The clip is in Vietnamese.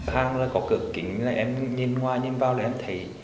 hàng là có cửa kính là em nhìn ngoài nhìn vào là em thấy